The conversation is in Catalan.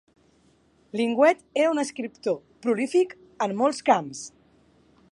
Linguet era un escriptor prolífic en molts camps.